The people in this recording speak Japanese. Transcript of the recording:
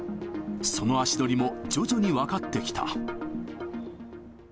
その足取りも徐々に分かってきた。